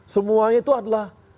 semuanya itu adalah